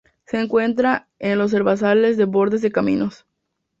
Se encuentra en los herbazales de bordes de caminos.